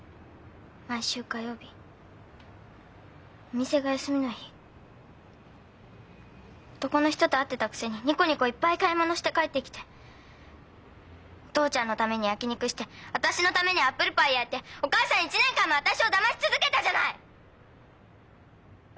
毎週火曜日お店が休みの日男の人と会ってたくせにニコニコいっぱい買い物して帰ってきてお父ちゃんのために焼き肉して私のためにアップルパイ焼いてお母さん１年間も私をだまし続けたじゃない！